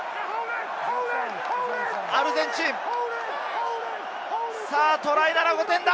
アルゼンチン、トライなら同点だ！